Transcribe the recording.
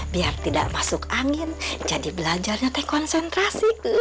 biar tidak masuk angin jadi belajarnya teh konsentrasi